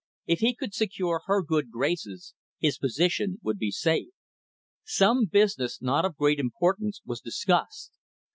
If he could secure her good graces, his position would be safe. Some business, not of great importance, was discussed.